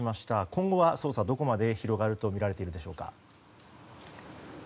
今後は捜査どこまで広がるとみられているでしょうか？